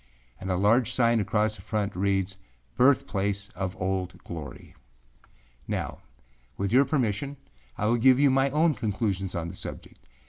â And a large sign across the front reads, âBirthplace of Old Glory.â Now with your permission, I will give my own conclusions on the subject.